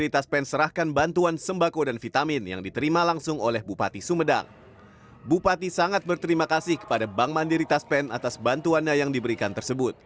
terima kasih kepada bank mandiri taspen atas bantuannya yang diberikan tersebut